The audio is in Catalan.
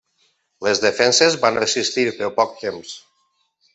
Les defenses van resistir, però poc temps.